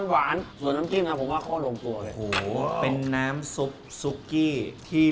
หัวหน้าเยี่ยมพี่พี่